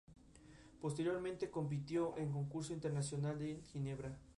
Debe su nombre a la obra de teatro homónima escrita por Maurice Maeterlinck.